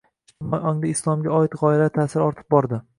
jtimoiy ongda islomga oid gʻoyalar taʼsiri ortib bordi